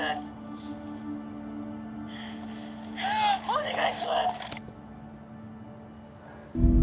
お願いします！